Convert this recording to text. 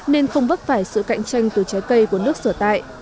nên không bất phải sự cạnh tranh từ trái cây của nước sửa tại